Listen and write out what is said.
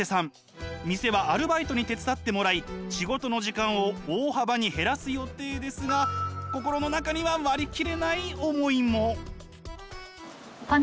店はアルバイトに手伝ってもらい仕事の時間を大幅に減らす予定ですが心の中にはそっか。